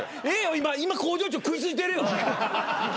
今向上長食い付いてるよ。